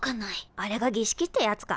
あれがぎしきってやつか？